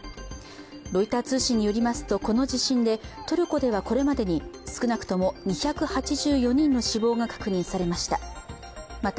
ロイター通信によりますと、この地震でトルコではこれまでに少なくとも２８４人の死亡が確認されました。